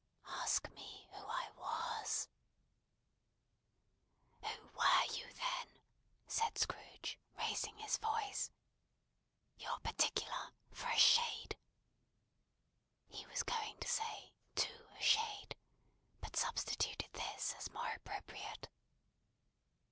"Ask me who I was." "Who were you then?" said Scrooge, raising his voice. "You're particular, for a shade." He was going to say "to a shade," but substituted this, as more appropriate.